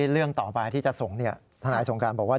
เรื่องต่อไปที่จะส่งทนายสงการบอกว่า